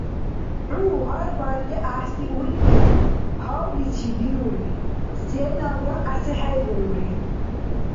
ХӀу гьар бархӀи гӀяхӀси уркӀила гьавличив вирулри, сеналра гӀясихӀейрулри.